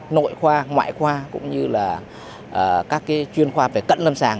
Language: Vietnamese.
nội khoa ngoại khoa cũng như là các chuyên khoa về cận lâm sàng